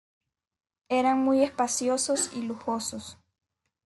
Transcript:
Eran muy espaciosos y lujosos.